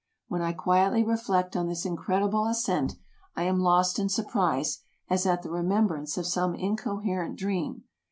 When I quietly reflect on this incredible ascent, I am lost in surprise, as at the remembrance of some incoherent dream.